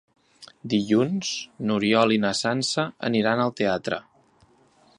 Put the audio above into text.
Dilluns n'Oriol i na Sança aniran al teatre.